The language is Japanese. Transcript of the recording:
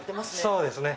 そうですね。